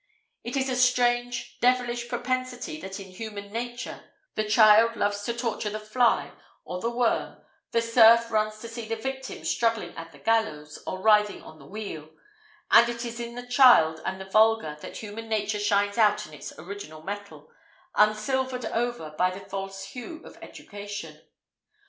It is a strange, devilish propensity that in human nature: the child loves to torture the fly or the worm, the serf runs to see the victim struggling at the gallows, or writhing on the wheel; and it is in the child and the vulgar that human nature shines out in its original metal, unsilvered over by the false hue of education.